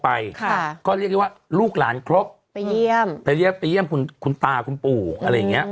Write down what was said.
ไปค่าก็เรียกว่ารูกหลานครบเป็นเยี่ยมจะเปลี่ยนว่ิคุณตาคุณปูเลยเนี่ย